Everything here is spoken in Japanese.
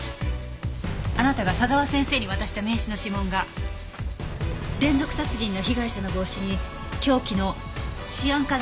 あなたが佐沢先生に渡した名刺の指紋が連続殺人の被害者の帽子に凶器のシアン化